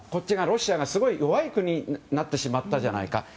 ロシアがすごく弱い国になってしまったじゃないか。